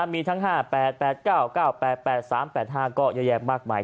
มีทั้ง๕๘๘๙๙๘๘๓๘๕ก็เยอะแยะมากมาย